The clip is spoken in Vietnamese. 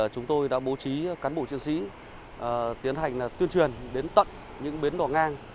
chúng tôi đã bố trí cán bộ chiến sĩ tiến hành tuyên truyền đến tận những bến đỏ ngang